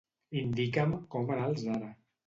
Indica'm com anar al Zara.